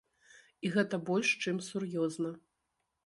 І гэта больш чым сур'ёзна.